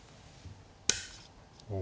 お。